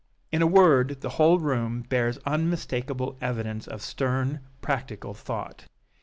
In a word, the whole room bears unmistakable evidence of stern, practical thought.